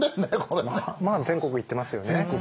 まあ全国行ってますよね。